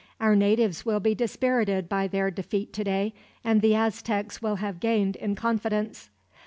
Our natives will be dispirited by their defeat today, and the Aztecs will have gained in confidence.